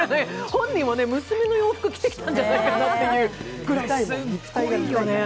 本人は娘の洋服着てきたんじゃないかなというくらいすっごいよね。